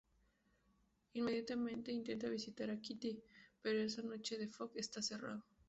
Inmediatamente intenta visitar a Kitty, pero esa noche el "The Frog" está cerrado.